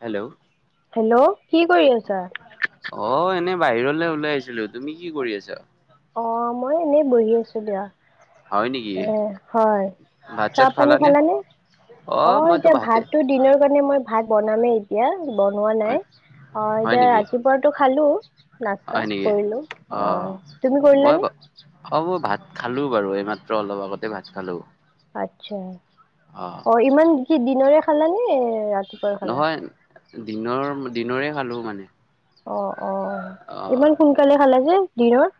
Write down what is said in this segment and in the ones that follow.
Hello hello কি কৰি আছা অ এনেই বাহিৰলে উওলাই আহিছিলো তুমি কি কৰি আছা অ মই এনেই বহি আছো দিয়া হয় নেকি এ হয় ভাত চাহ চাত পানী খালানে অ মইতো এতিয়া ভাতে ভাততো দিনৰ কাৰণে মই ভাত বনামেই এতিয়া বনোৱা হয় নাই অ হয় এতিয়া নেকি ৰাতিপুৱাতো খালো নাস্তা হয় নেকি কৰিলো অ তুমি মই কৰিলানে? ব অ মই ভাত খালো বাৰু এইমাত্ৰ অলপ আগতে ভাত খালো আতচ্ছা অ অ ইমান কি দিনৰে খালানে ৰাত নহয় দিনৰ দিনৰে খালো মানে অ অ অ' ইমান সোনকালে খালা যে দিনৰ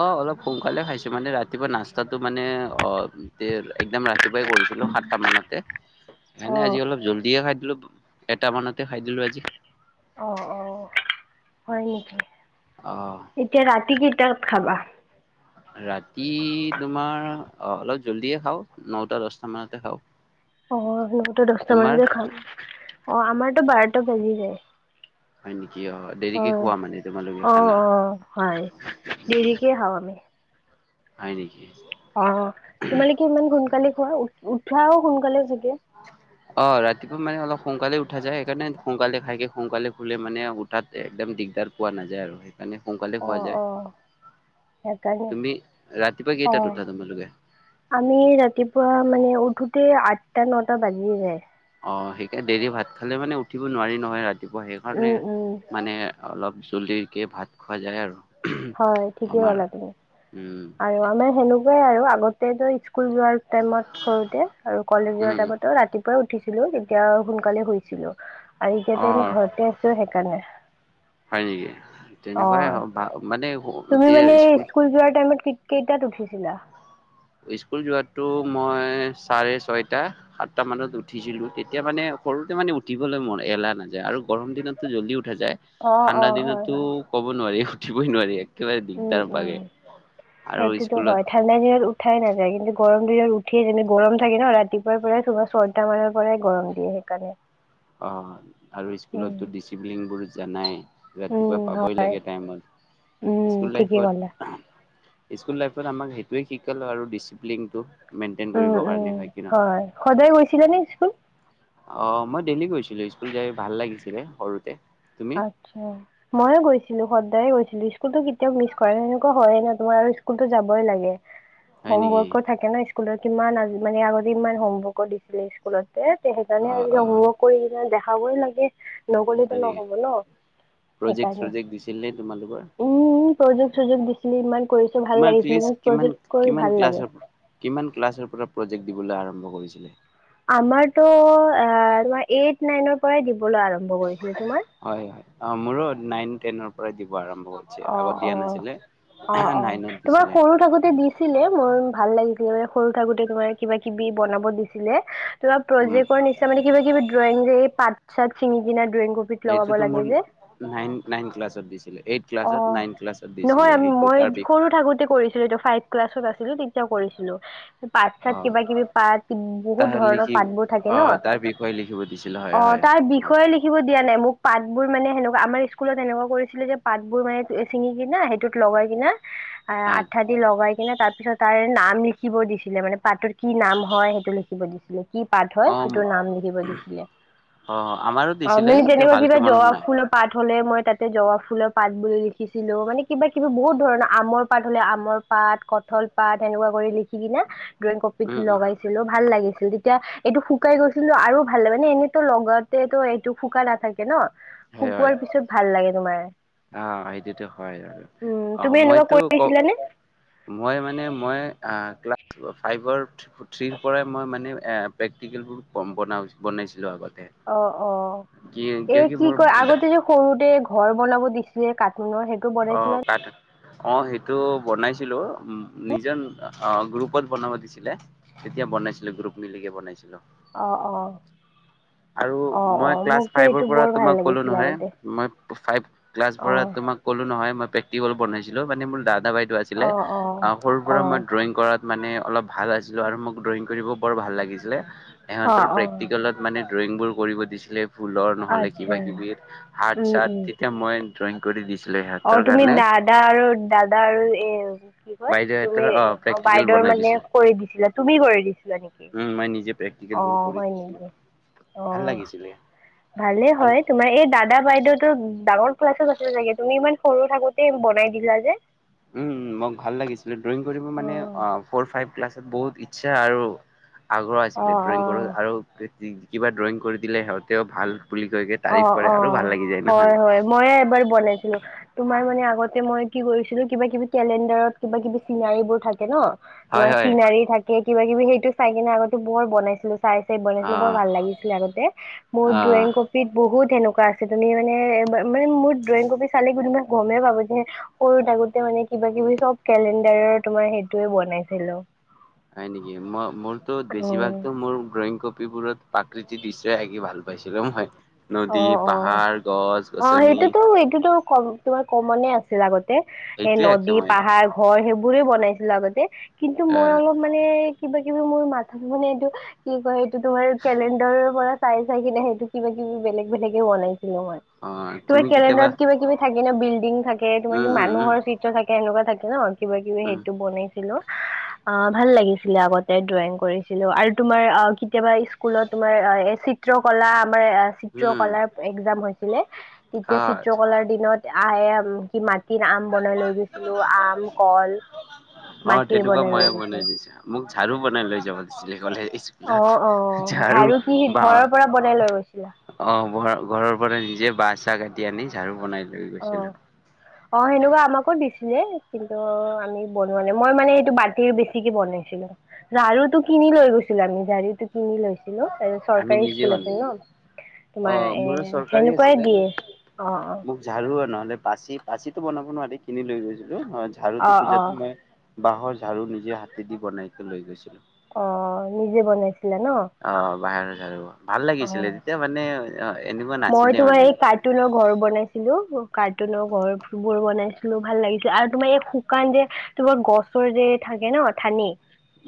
অ অলপ সোনকালে খাইছো, মানে ৰাতিপুৱা নাস্তাটো মানে অ দেৰ একদম ৰাত। তিপুৱাই কৰিছিলো সাতটা মানতে। [unintelligible] এনে আজি অলপ জল্ডিয়ে খাই দিলো, এটামানতে খাই দিলো আজি। অঁ অঁ হয় নেকি। অঁহ। এতিয়া ৰাতি কেইটাত খাবা। ৰাতি তোমাৰ অলপ জল্ডিয়ে খাওঁ নটা দচটা মানতে খাওঁ। অঁহ নটা দচটা তোমাৰ মানতে খাম, অঁ আমাৰতটো বাৰটা বাজি যায়। হয় নেকি অ দেৰিকে হয় খোৱা মানে তোমালোকে অঁ খানা অঁ হয় দেৰিকে খাব লাগে হয় নেকি। অঁ তোমালোকে ইমান সোনকালে খোৱা, উ উঠাও সোনকালে চাগে। অঁ ৰাতিপুৱা মানে অলপ সোনকালে উঠা যায় সেইকাৰণে সোনকালে খাইকে সোনকালে শুলে মানে। তাত একদম দিগদাৰ, পোৱা নাযায় আৰু। মানে সোনকালে অ খোৱা যায় অ সেইকাৰণে তুমি ৰাতিপুৱা অ কেইটাত উঠা তোমালোকে আমি ৰাতিপুৱা মানে উঠোতে আঠটা নটা বাজিয়ে যায়। অ সেইকে দেৰি ভাত খালে মানে উঠিব নোৱাৰি নহয় ৰাতিপুৱা সেইকাৰণে। উম উম মানে অলপ জলদিকে ভাত খোৱা যায় আৰু। হয় ঠিকেই আমাৰ হলা তুমি উম আৰু আমাৰ সেনেকুৱাই আৰু আগতেতো স্কুল যোৱাৰ। টাইমত সৰুতে আৰু কলেজৰ উম টাইমতো ৰাতিপ। পুৱাই উঠিছিলো তেতিয়া সোনকালে শুইছিলো আৰু এতিয়া ত অ এনে ঘৰতে আছো সেইকাৰণে। হয় নেকি, তেনেকুৱাই অ [unintelligible] ভ মানে। তুমি মানে স্কুল যোৱাৰ টাইমত কেই কেইটাত উঠিছিলা। স্কুল যোৱটো মই চাৰে ছয়টা। সাত তা মানত উঠিছিলো। তেতিয়া মানে সৰুতে মানে উঠিবলে মোৰ এলাহ নাযায় আৰু। গৰম দিনততো জল্ডি উঠা যায়, অ', ঠাণ্ডা অ', হয়, দিনতো হয়। ক'ব নোৱাৰি উঠিবই নোৱাৰি এক একেবাৰে উম, দিগদাৰ উম। পোৱাকে আৰু সেইটোতো স্কুলত হয়, ঠাণ্ডা দিনত উঠাই নাযায়। কিন্তু গৰম দিনত উঠিয়ে যেনে গৰম থাকে ন' ৰাতিপুৱাৰ পৰাই তোমাৰ চৰ টা মানৰ পৰাই গৰম দিয়ে সেইকাৰণে। অঁ হয়। আৰু উম, স্কুলততো ডিচিপ্লিন বোৰ জানাই, উম, ৰাতিপুৱা পাবই হয়, লাগে টাইমত। উম স্কুল ঠিকেই লাইফত ক'লা। স্কুল লাইফত আমাক সেইটোৱেই শিকালে আৰু ডিচিপ্লিনটো। মেইনটেইন উম কৰিবৰ কাৰণে উম কি হয়, সদায় গৈছিলে নে নহয়। স্কুল? অ' মই ডেইলী গৈছিলো, স্কুল যাই ভাল লাগিছিলে সৰুতে। তুমি? আচ্ছা। ময়ো গৈছিলো সদায়ে গৈছিলো, স্কুলতো কেতিয়াও মিছ কৰা নাই। সেনেকুৱা হয় ন' তোমাৰ আৰু স্কুলতো যাবই লাগে। হয় নেকি? হোমৱৰ্কো থাকে ন' স্কুলত, কিমান আ মানে আগতে ইমান হোমৱৰ্কো দিছিলে স্কুলত। এ সেইকাৰণে আৰু অ', অ', হোমৱৰ্ক কৰি দেখাবই লাগে নগ'লে তো হয় নহ নেকি? প্ৰজেক্ট চজেক্ট দিছিল নে তোমালোকৰ? উম উম প্ৰজেক্ট চজেক্ট দিছিলে, ইমান কৰিছো ভাল তোমাৰ লাগে ক্লিছ ক্লিনিক কিমান প্ৰজেক্ট কৰি কিমান ভাল লাগে। ক্লাছৰ কিমান ক্লাছৰ পৰা প্ৰজেক্ট দিবলৈ আৰম্ভ কৰিছিলে? আমাৰতো আ তোমাৰ এইট নাইনৰ পৰাই দিবলৈ আৰম্ভ কৰিছিলে। তোমাৰ? হয় হয় অঁ মোৰো নাইন টেনৰ পৰাই দিব আৰম্ভ কৰি অ' অ', অ' অ' নাইনত তোমাৰ দিছিলে, সৰু থাকোতে দি ছিলে মোৰ ভাল লাগিছিলে মানে সৰু থাকোতে তোমাৰ কিবা কিবি বনাব দিছিলে। তোমাৰ উম, প্ৰজেক্টৰ নিচিনা মানে কিবা কিবি ড্ৰয়িং যে এই পাত চাত চিঙি কিনে ড্ৰয়িং কৰ এইটোতো মোৰ নাইন নাইন ক্লাছত দিছে। এইট অ ক্লাছত নাইন ক্লাছত নহয় দিছিলে সেইটো, মই তাৰ বিষ সৰু থাকোতে কৰি ছিলোটো ফাইভ ক্লাছত আছিলো তেতিয়াও কৰিছিলো। সেই পাত চাত অ', কিবা কিবি পাত। বহুত ধৰণৰ পাতবোৰ থাকে ন'? কিবা দিছিল অ হয় হয়‌ তাৰ হয়। বিষয়ে লিখিব দিয়া নাই, মোক পাঠবোৰ মানে সেনেকুৱা আমাৰ স্কুলত এনেকুৱা কৰিছিলে যে পাতবোৰ মানে ছিঙি কিনে সেইটোত লগাই কিনে এ অ' আঠাত লগাই কিনে তাৰপিছত তাৰে নাম লিখিব দিছিলে মানে, পাতৰ কি নাম হয় সেইটো লিখিব দিছিলে, কি পাত হয়, অ' সেইটোৰ নাম লিখিব দিছিলে। অ' আমাৰো অ দিছিলে মানে এতিয়া যেনেকুৱা কিবা ভালকে মনত জবাব নাই ফুলৰ পাঠ হ'লে মই তাতে জবাব ফুলৰ পাত বুলি লিখিছিলো, মানে কিবা কিবি বহুত ধৰণৰ আমৰ পাত হ'লে আমৰ পাত কঠঁল পাত এনেকুৱা কৰি লিখি কিনে ড্ৰয়িং কপিত উম উম লগাইছিলো, ভাল লাগিছিল তেতিয়া এইটো শুকাই গৈছিলো আৰু ভাল লাগে মানে এনেইত' লগওতে তো এইটো শুকা নাথাকে ন'। শুকোৱাৰ পিছত ভাল লাগে তোমাৰ। আহ সেইটোতো হয় আৰু উম অঁ তুমি এনেকুৱা মইতো ক' কৰিছিলানে মই মানে মই ক্লাছ ফাইভৰ থ্ৰীৰ পৰাই মই মানে প্ৰেক্টিকেলবোৰ কম বনাও বনাইছিলোঁ আগতে। অ' অ' কি কিয় এই কি মোৰ কয় আগতে যে সৰুতে ঘৰ বনাব দিছিলে কাটুনৰ সেইট অঁ কাঠ অঁ সেইটো বনাইছিলো, উম নিজম অঁ গ্ৰুপত বনাব দিছিলে তেতিয়া বনাইছিলো গ্ৰুপ মিলিকে বনাইছিলো। অ' অ' আৰু অ অ মই ক্লাছ মোকতো ফাইভৰ এইটো পৰা বৰ ভাল তোমাক ক'লো লাগিছিলে নহয়, আগতে মই ফাইভ ক্লাছৰ পৰা অ তোমাক ক'লো নহয় মই প্ৰেক্টিকেল বনাইছিলো মানে মোৰ দাদা বাইদেউ আছিলে অ', অ', সৰুৰ পৰা অ', মই ড্ৰয়িং কৰাত মানে অলপ ভাল আছিলো আৰু মোক ড্ৰয়িং কৰিব বৰ ভাল লাগিছিলে অ', সিহঁতৰ অ', প্ৰেক্টিকেলত মানে ড্ৰয়িং বোৰ কৰিব দিছিলে ফুলৰ নহ'লে কিবা আচ্ছা কিবি হাত উম, চাত উম। তেতিয়া মই ড্ৰয়িং কৰি দিছিলো সে অ তুমি দাদা আৰু দাদা আৰু এ কয় তুমি বাইদেউহঁতৰ অ এ প্ৰেকটিকেল বাইদেউৰ বনাই মানে দিছিল কৰি দিছিলা তুমি কৰি দিছিলা নেকি? উম মই নিজে প্ৰেকক্টিকেল বোৰ অ', কৰি হয় দিছিলো। নেকি অ ভাল লাগিছিলে ভালে আৰু হয় তোমাৰ এই দা দা বাইদেউটো ডাঙৰ ক্লাছত আছিলে চাগে, তুমি ইমান সৰু থাকোতে বনাই দিলা যে? উম মোক ভাল লাগিছিলে ড্ৰয়িং কৰিব মানে অ ফৌৰ ফাইভ ক্লাছত বহুত ইচ্ছা আৰু আগ্ৰহ আছিলে অ', ড্ৰয়িং কৰাৰ অ', আৰু কিবা ড্ৰয়িং কৰি দিলে সিহঁতেও ভাল বুলি কয় যে। অ অ হয় হয়, মইয়ে এবাৰ বনাইছিলো। তোমাৰ মানে আগতে মই কি কৰিছিলো কিবা কিবি কেলেণ্ডাৰত কিবা কিবি চিনাৰিবোৰ থাকে ন। হয় তোমাৰ হয় চিনাৰী থাকে কিবা কিবি সেইটো চাই কিনে আগতে বৰ বনাইছিলো। চাই চাই বনাইছিলো বৰ অ' ভাল লাগিছিলে আগতে মোৰ অ' ড্ৰয়িং ক পিত বহুত সেনেকুৱা আছে তুমি মানে মোৰ ড্ৰয়িং কপি চালে কোনোবাই গমেই পাবা যে সৰু থাকোতে মানে কিবা কিবি চব কেলেণ্ডাৰৰ তোমাৰ সেইটোয়ে বনাইছিলো। হয় নেকি মই মোৰতো উম, বেছিভাগতো মোৰ ড্ৰয়িং কপিবোৰত প্ৰাকৃতিক দৃশ্য আঁকি ভাল পাইছিলো মই, নদী, অ', অ'। পাহাৰ, গছ অ গছনি। সেইটোতো এইটোতো কম তোমাৰ কমনে আছিল আগতে এ সেইটোৱে আঁকো নদী মই পাহাৰ ঘৰ সেইবোৰে বনাইছিলো আগতে কিন্তু মই অ' অলপ মানে কিবা কিবি মোৰ মাথাত মানে এইটো কি কয় এইটো তোমাৰ কেলেণ্ডাৰৰ পৰা চাই চাই কিনে সেইটো কিবা কিবি বেলেগ বেলেগে বনাইছিলো মই। অ' তোমাৰ তুমি কেতিয়াবা কেলেণ্ডাৰত কিবা কিবি থাকে ন, বিল্ডিং থাকে, তোমাৰ কি উম উম উম মানুহৰ চিত্ৰ থাকে এনেকুৱা থাকে ন, কিবাকিবি উম সেইটো বনাই ছিলো। অহ ভাল লাগিছিলে আগতে ড্ৰয়িং কৰিছিলো আৰু তোমাৰ অ কেতিয়াবা স্কুলত তোমাৰ এ চিত্ৰকলা আমাৰ এ উম চিত্ৰকলাৰ এক্সাম হৈছিলে, তেতিয়া অ' চিত্ৰকলাৰ দিনত আহ কি আম বনাই লৈ গৈছিলো আম, কল। অ', মাটিৰ তেনেকুৱা বনাই লৈ মইও বনাই গৈছিলো দিছিলো। মোক ঝাৰু বনাই লৈ যাব দিছিলে কলে স্কু অ লত অ ঝাৰু কি বাঁহৰ। ঘৰৰ পৰা বনাই লৈ গৈছিলা অ', ঘৰ ঘৰৰ পৰা নিজে বাঁহ চাহ কাটি আনি ঝাৰু বনাই লৈ গৈছিলো অ'। অ', সেনেকুৱা আমাকো দিছিলে কিন্তু আমি বনোৱা নাই। মই মানে এইটো মাটিৰ বেছিকে বনাইছিলো। ঝাৰুটো কিনি লৈ গৈছিলো আমি। ঝাৰুটো কিনি লৈছিলো তাৰপিছত আমি চৰকাৰী নিজে স্কুল আছে বনালো ন। অ তোমাৰ এ মোৰো চৰকাৰী সেনেকুৱাই আছিলে দিয়ে, অ অ। মোক ঝাৰু আৰু নহ'লে পাচি, পাচিটো বনাব নোৱাৰি কিনি লৈ গৈছিলো। অ ঝাৰুটো অ অ খোজোতে মই বাঁহৰ ঝাৰু নিজে হাতে দি বনাইকে লৈ গৈছিলো। অ' নিজে বনাইছিলা ন? অ', বাঁহৰ ঝাৰু, ভাল অ লাগিছিলে। তেতিয়া মানে এনেকুৱা নাছিলে মানে। টুনৰ ঘৰ বনাইছিলো, কাৰ্টুনৰ ঘৰবোৰ বনাইছিলো ভাল লাগিছিল আৰু তোমাৰ এই শুকান যে তোমাৰ গছৰ যে থাকে ন ঠানি।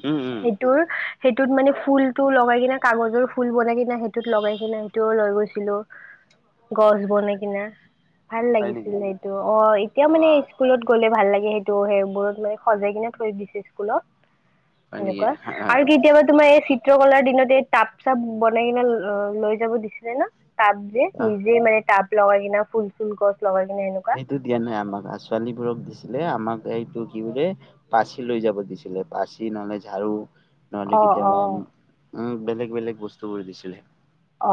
উম উম টোৰ সেইটোত মানে ফুলটো লগাই কাগজৰ ফুল বনাই কিনে, সেইটোত লগাই কিনে সেইটোও লৈ গৈছিলো। গছ বনাই কিনে ভাল হয় লাগিছিল নেকি সেইটো অ', এতিয়া অ মানে স্কুলত গ'লে ভাল লাগে সেইটো সেইবোৰত মানে সজাই কিনে থৈ দিছে স্কুলত। হয় নেকি সেনেকুৱা আৰু কেতিয়াবা তোমাৰ এই চিত্ৰকলাৰ দিনত এই টাব-চাপ বনাই কিনে লৈ যাব দিছিলে ন টাব যে অ নিজে মানে টাব লগাই কিনে ফুল-চুল গছ লগাই কিনে এনেকুৱা এইটো দিয়া নাই আমাক আৰু ছোৱালীবোৰক দিছিলে আমাক এইটো কি বোলে পাচি লৈ যাব দিছিলে। পাচি নহ'লে ঝাড়ু। নহ'লে অ কেতিয়াবা অ উম বেলেগ বেলেগ বস্তুবোৰ দিছিলে।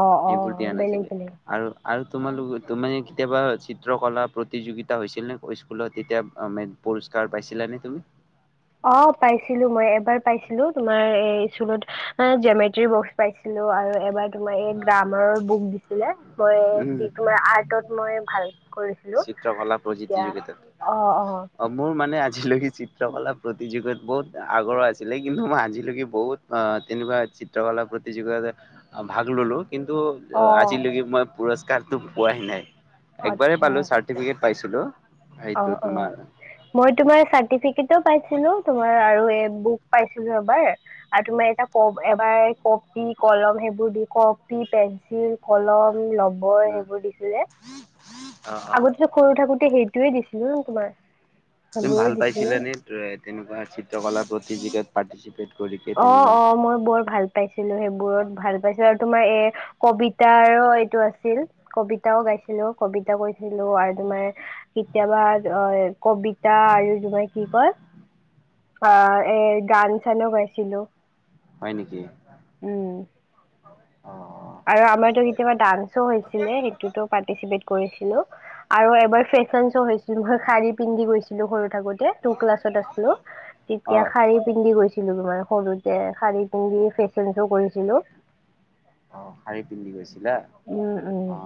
অ অ এইবোৰ দিয়া বেলেগ নাছিলে। বেলেগ আৰু আৰু তোমালোক তুমি কেতিয়াবা চিত্ৰকলা প্ৰতিযোগিতা হৈছিল নে স্কুলত? তেতিয়া [unintelligible] পুৰস্কাৰ পাইছিলা নে তুমি? অ', পাইছিলো মই। এবাৰ পাইছিলো তোমাৰ এ স্কুলত জেমেট্ৰি বক্স পাইছিলো আৰু এবাৰ তোমাৰ এই গ্ৰামাৰৰ বুক দিছিলে, মই উম কি তোমাৰ আৰ্টত মই ভাল কৰিছিলো, চিত্ৰকলা তেতিয়া প্ৰতিযোগিতাত অ অ। মোৰ মানে আজিলৈকে চিত্ৰকলা প্ৰতিযোগিত বহুত আগ্ৰহ আছিলে, কিন্তু মই আজিলৈকে বহুত অহ তেনেকুৱা চিত্ৰকলা প্ৰতিযোগিতা ভাগ ল'লো, কিন্তু অ আজিলৈকে মই পুৰস্কাৰতো পোৱাই নাই---একবাৰেই আচ্ছা পালো চাৰ্ টিফিকেট পাইছিলো। সেইটো অ', অ' তোমাৰ মই তোমাৰ চাৰ্টিফিকেটো পাইছিলো, তোমাৰ আৰু এ বুক পাইছিলো এবাৰ। আৰু তোমাৰ এটা কপ- এবাৰ কপি, কলম সেইবোৰ দি কপি, পেঞ্চিল, কলম, লব বৰ উম সেইবোৰ দিছিলে। অ অ আগতেতো সৰু থাকোতে সেই সেইটোৱে দিছিলে ন তোমাক সেইবোৰহে দিছিলে। উম তেনেকুৱা চিত্ৰকলা প্ৰতিযোগিতাত পাউৰ্টিচিপেট অ' অ' মই বৰ ভাল পাইছিলো। সেইবোৰত ভাল পাইছিলো আৰু তোমাৰ এ কবিতাৰো এইটো আছিল কবিতাও গাইছিলো, কবিতা কৈছিলো আৰু তোমাৰ কেতিয়াবা কবিতা আৰু কি কয় বা এ গান চানো গাইছিলো হয় নেকি উম অ আৰু আমাৰতো কেতিয়াবা ডান্সো হৈছিলে সেইটোতো পাৰ্টিচিপেট কৰিছিলো আৰু এবাৰ ফেশ্বন শ্ব হৈছিল মই শাৰী পিন্ধি গৈছিলো সৰু থাকোতে টু ক্লাছত আছিলো অ তেতিয়া শাৰী পিন্ধি গৈছিলো তোমাৰ সৰুতে শাৰী পিন্ধি ফেশ্বন শো কৰিছিলো অ শাৰী পিন্ধি গৈছিলা উম উম অ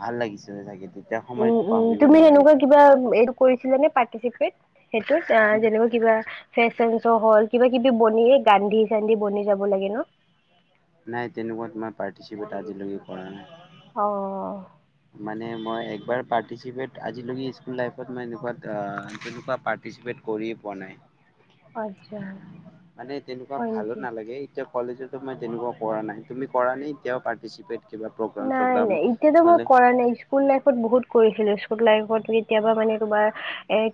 ভাল লাগিছিলে চাগে তেতিয়া উম সময়তো উম পাহৰিব তুমি নোৱাৰে সেনেকুৱা কেতিয়া কিবা এইটো কৰিছিলে নে পাৰ্টিচিপেট সেইটোত কিবা ফেশ্বন শ্ব' হল কিবা কিবি বনিয়ে গান্ধি চান্ধি বনি যাব লাগে ন নাই তেনেকুৱা মই পাৰ্টিচিপেট আজিলৈকে কৰা নাই অঁ মানে মই একবাৰ পাৰ্টিচিপেট আজিলৈকে স্কুল লাইফত মই এনেকুৱা পাৰ্টিচিপেট কৰিয়ে পোৱা নাই আচ্ছা মানে তেনেকুৱা হয় ভালো নেকি নালাগে এতিয়া কলেজতো মই তেনেকুৱা কৰা নাই তুমি কৰা নে এতিয়া পাৰটিচিপেট কিবা প্ৰগ্ৰাম নাই চোগ্ৰাম নাই এতিয়াতো মই হ'লে। কৰা নাই, স্কুল লাইফত বহুত কৰিছিলো। স্কুল লাইফত কেতিয়াবা মানে তোমাৰ,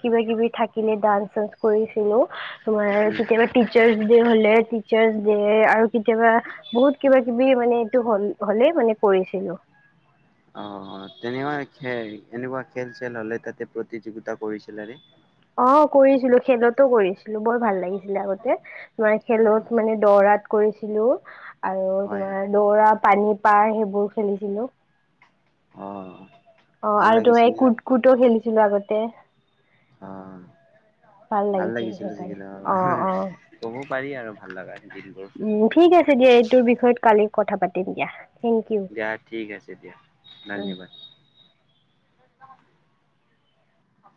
কিবা কিবি থাকিলে ডান চানচ কৰিছিলো। তোমাৰ উম কেতিয়াবা টিচাৰ্ছ ডে হলে, টিচাৰ্ছ ডে আৰু কেতিয়াবা বহুত কিবা কিবি মানে এইটো হল হলেই মানে কৰিছিলো। অ' তেনেকুৱা খে এনেকুৱা খেল চেল হলে তাতে প্ৰতিযোগিতা কৰিছিলা নে? অ' কৰিছিলো খেলতো কৰিছিলো বৰ ভাল লাগিছিলে আগতে, অ খেলত মানে দৌৰাত। কৰিছিলো আৰু হয় হয় তোমাৰ দৌৰা পানী, পাৰ সেইবোৰ খেলিছিলো। অ অ' ভাল আৰু তোমাৰ এ লাগিছিলে নে? কুট কুটো খেলিছিলো আগতে। অ ভাল লাগিছিল লাগিছিলে চাগে সেইকাৰণে, ন? অ' অ'। ক'ব পাৰি আৰু ভাল লগা উম ' ঠিক আছে দিয়া এইটোৰ বিষয়ত কালি কথা পাতিম দিয়া। থেংক ইউ দিয়া ঠিক আছে দিয়া, ধন্যবাদ।